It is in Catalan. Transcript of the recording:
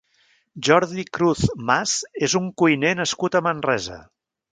Jordi Cruz Mas és un cuiner nascut a Manresa.